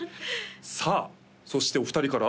さあそしてお二人から？